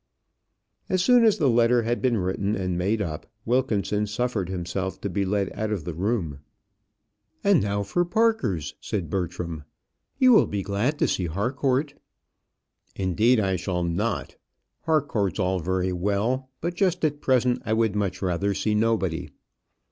As soon as the letter had been written and made up, Wilkinson suffered himself to be led out of the room. "And now for Parker's," said Bertram; "you will be glad to see Harcourt." "Indeed, I shall not. Harcourt's all very well; but just at present, I would much rather see nobody."